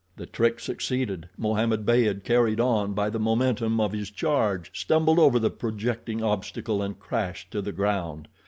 The trick succeeded. Mohammed Beyd, carried on by the momentum of his charge, stumbled over the projecting obstacle and crashed to the ground.